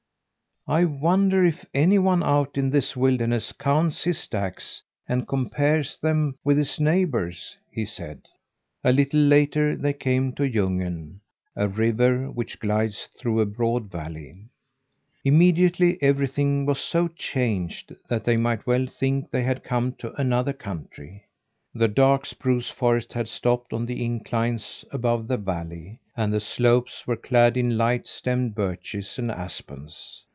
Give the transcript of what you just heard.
"I wonder if any one out in this wilderness counts his stacks, and compares them with his neighbour's?" he said. A little later they came to Ljungen, a river which glides through a broad valley. Immediately everything was so changed that they might well think they had come to another country. The dark spruce forest had stopped on the inclines above the valley, and the slopes were clad in light stemmed birches and aspens.